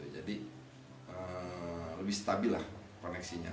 lebih stabil lah koneksinya